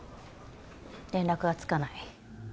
連絡がつかない。